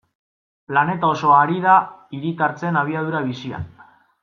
Planeta osoa ari da hiritartzen abiadura bizian.